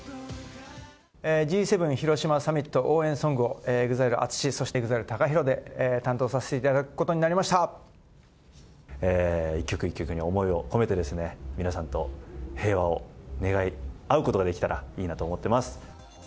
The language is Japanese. Ｇ７広島サミット応援ソングをＥＸＩＬＥ・ＡＴＳＵＳＨＩ、そしてＥＸＩＬＥ・ＴＡＫＡＨＩＲＯで担当させていただくことに一曲一曲に思いを込めて、皆さんと平和を願い合うことができたらいいなと思ってます。